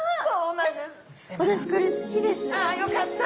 ああよかった！